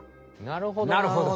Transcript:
なるほど。